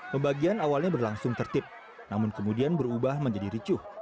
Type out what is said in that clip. pembagian awalnya berlangsung tertib namun kemudian berubah menjadi ricuh